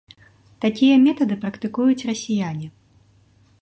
Такія метады практыкуюць расіяне.